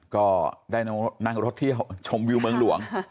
ก็ได้นั่งรถเที่ยวชมวิวเมืองหลวง